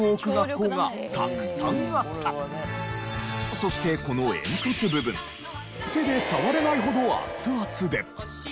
そしてこの煙突部分手で触れないほど熱々で。